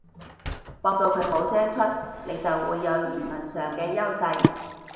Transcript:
駁到佢冇聲出，你就會有言論上嘅優勢